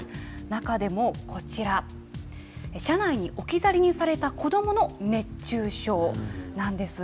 中でもこちら、車内に置き去りにされた子どもの熱中症なんです。